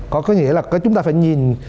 có nghĩa là chúng ta phải nhìn